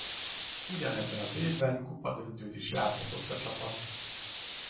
Ugyanebben az évben kupadöntőt is játszhatott a csapat.